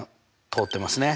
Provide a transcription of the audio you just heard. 通ってますね。